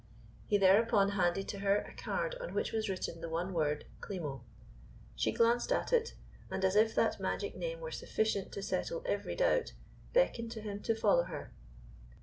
He thereupon handed to her a card on which was written the one word "Klimo." She glanced at it, and, as if that magic name were sufficient to settle every doubt, beckoned to him to follow her.